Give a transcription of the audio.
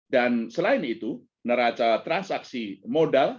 dan selain itu neraca transaksi modal